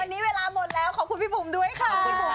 วันนี้เวลาหมดแล้วขอบคุณพี่ภูมิด้วยค่ะ